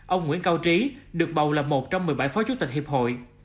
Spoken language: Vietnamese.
ông nguyễn cao trí được bầu là một trong một mươi bảy phó chủ tịch hiệp hội